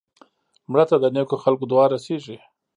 مړه ته د نیکو خلکو دعا رسېږي